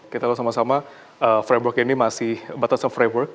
kita tahu sama sama framework ini masih batasan framework